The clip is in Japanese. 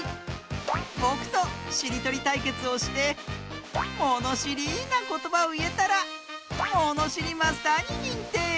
ぼくとしりとりたいけつをしてものしりなことばをいえたらもにしりマスターににんてい！